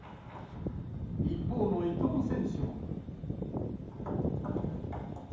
一方の伊藤選手も。